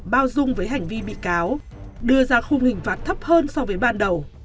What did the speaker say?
bao dung với hành vi bị cáo đưa ra khung hình phạt thấp hơn so với ban đầu